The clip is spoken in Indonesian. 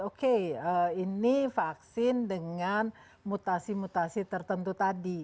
oke ini vaksin dengan mutasi mutasi tertentu tadi